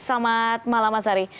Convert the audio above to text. selamat malam mas ari